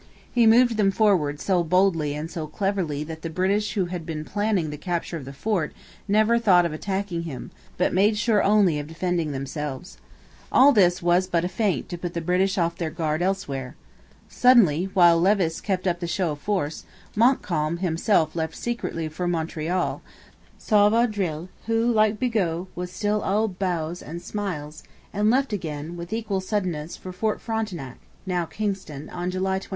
He moved them forward so boldly and so cleverly that the British who had been planning the capture of the fort never thought of attacking him, but made sure only of defending themselves. All this was but a feint to put the British off their guard elsewhere. Suddenly, while Levis kept up the show of force, Montcalm himself left secretly for Montreal, saw Vaudreuil, who, like Bigot, was still all bows and smiles, and left again, with equal suddenness, for Fort Frontenac (now Kingston) on July 21.